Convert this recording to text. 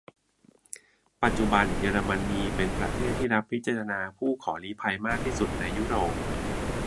ปัจจุบัน เยอรมนีเป็นประเทศที่รับพิจารณาผู้ขอลี้ภัยมากที่สุดในยุโรป